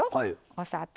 お砂糖。